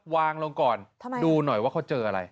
วางลงก่อนดูหน่อยว่าเขาเจออะไร